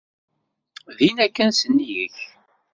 Dinna kan sennig-k.